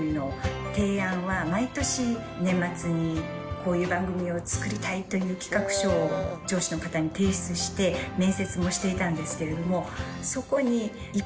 こういう番組を作りたいという企画書を上司の方に提出して面接もしていたんですけれども